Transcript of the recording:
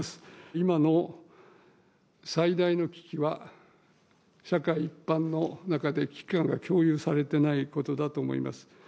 今の最大の危機は、社会一般の中で危機感が共有されてないことだと思います。